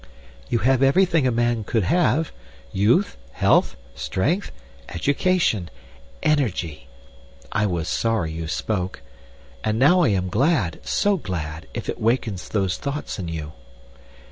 "You have everything a man could have, youth, health, strength, education, energy. I was sorry you spoke. And now I am glad so glad if it wakens these thoughts in you!"